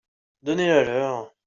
Donnez-la leur.